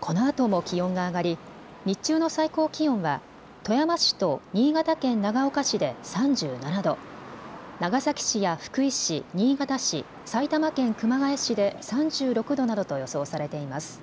このあとも気温が上がり日中の最高気温は富山市と新潟県長岡市で３７度、長崎市や福井市、新潟市、埼玉県熊谷市で３６度などと予想されています。